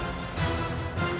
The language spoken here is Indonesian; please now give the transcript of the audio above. bagaimana kamu kenal